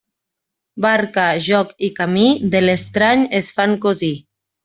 Barca, joc i camí, de l'estrany es fan cosí.